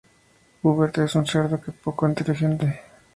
Hubert es un cerdo que es un poco inteligente.